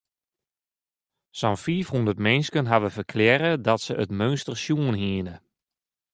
Sa'n fiifhûndert minsken hawwe ferklearre dat se it meunster sjoen hiene.